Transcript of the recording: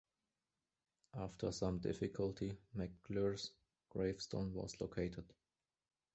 After some difficulty, McClure's gravestone was located.